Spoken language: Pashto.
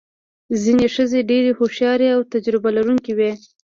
ځینې ښځې ډېرې هوښیارې او تجربه لرونکې وې.